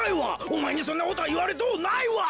おまえにそんなこといわれとうないわ！